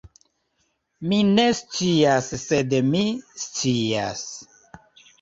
Mi ne scias sed mi scias